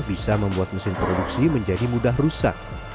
bisa membuat mesin produksi menjadi mudah rusak